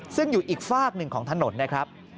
ซึ่งอยู่อีกฝากหนึ่งของถนนนะครับ